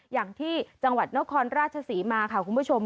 อย่างที่จังหวัดนครราชศรีมาค่ะคุณผู้ชม